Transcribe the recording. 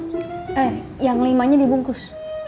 eh yang lima nya dibungkus